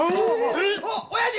おやじ！